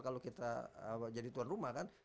kalau kita jadi tuan rumah kan